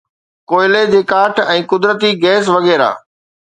ڪوئلي جي ڪاٺ ۽ قدرتي گئس وغيره